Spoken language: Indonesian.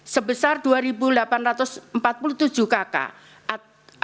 sebesar dua delapan ratus empat puluh tujuh kakak